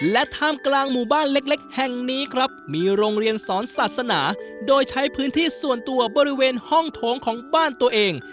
และท่ามกลางหมู่บ้านเล็กแห่งนี้ครับมีโรงเรียนสอนศาสนาโดยใช้พื้นที่ส่วนตัวบริเวณห้องโถงของบ้านตัวเอง